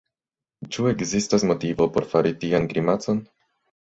Ĉu ekzistas motivo por fari tian grimacon?